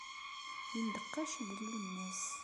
Yendeqqac-d Lwennas.